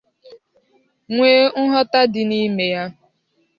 nwee nghọta dị n'ime ya